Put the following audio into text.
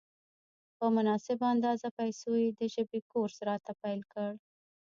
په مناسبه اندازه پیسو یې د ژبې کورس راته پېل کړ.